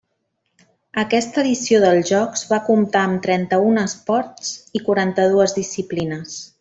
Aquesta edició dels jocs va comptar amb trenta-un esports i quaranta-dues disciplines.